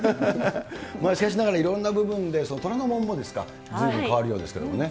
しかしながら、いろんな部分で虎ノ門もずいぶん変わるようですけれどもね。